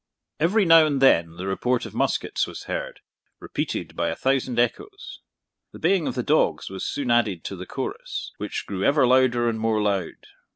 Every now and then the report of muskets was heard, repeated by a thousand echoes. The baying of the dogs was soon added to the chorus, which grew ever louder and more loud.